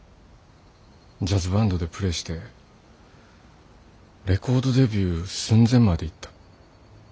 ジャズバンドでプレーしてレコードデビュー寸前までいった。